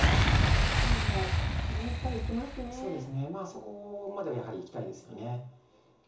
そこまではやはりいきたいですよね。